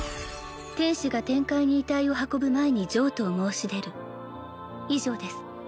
天使が天界に遺体を運ぶ前に譲渡を申し出る以上です